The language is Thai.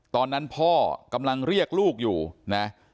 ตอนนั้นพ่อกำลังเรียกลูกอยู่นะ